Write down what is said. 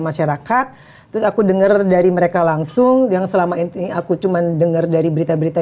masyarakat terus aku dengar dari mereka langsung yang selama ini aku cuman dengar dari berita berita